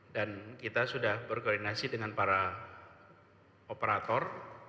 dan kita sudah berkoordinasi dengan para operator